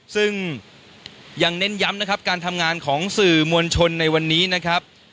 ซึ่งยังเน้นย้ำนะครับการทำงานของสื่อมวลชนในวันนี้นะครับ